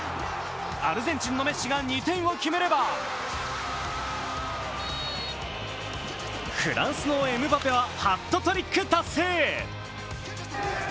アルゼンチンのメッシが２点を決めれば、フランスのエムバペはハットトリック達成。